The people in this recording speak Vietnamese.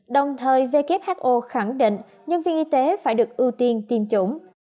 đồng thời who khẳng định nhân viên y tế phải được ưu tiên tiêm chủng